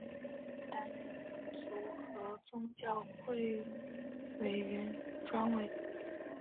并担任民族和宗教委员会专委。